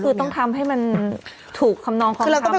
คือต้องทำให้มันถูกทำนองความคิด